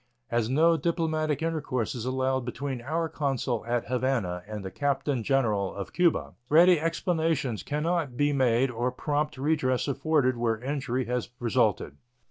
As no diplomatic intercourse is allowed between our consul at Havana and the Captain General of Cuba, ready explanations can not be made or prompt redress afforded where injury has resulted.